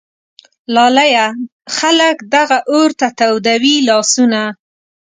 لالیه ! خلک دغه اور ته تودوي لاسونه